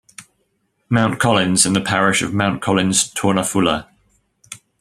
Mountcollins is in the Parish of Mountcollins-Tournafulla.